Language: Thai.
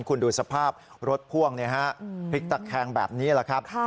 คุณดูสภาพรถพ่วงพลิกตะแคงแบบนี้แหละครับ